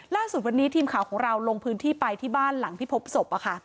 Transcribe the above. ล่าสุดวันนี้ทีมข่าวของเราลงพื้นที่ไปที่บ้านหลังที่พบศพ